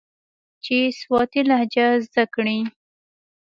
چې سواتي لهجه زده کي.